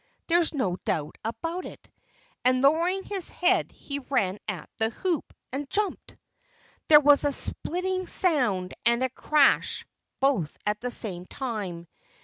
"There's no doubt about that." And lowering his head he ran at the hoop and jumped. There was a splitting sound and a crash, both at the same time.